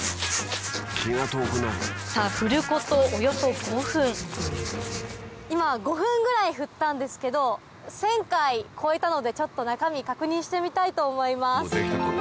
振ることおよそ５分今５分ぐらい振ったんですけど１０００回超えたのでちょっと中身確認してみたいと思います。